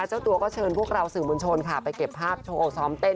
เออจริงคุณผู้ชม